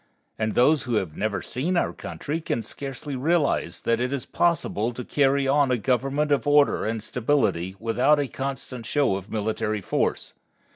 And those who have never seen our country can scarcely realize that it is possible to carry on a government of order and stability without a constant show of military force.